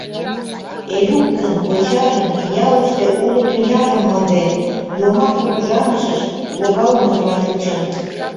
Элюк гын кочажын ялыште уло тӱняжым монден, йомак кугыжанышыш логалмыжла чучын.